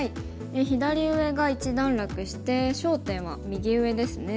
左上が一段落して焦点は右上ですね。